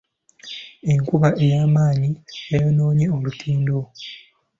Enkuba ey'amaanyi yayonoonye olutindo.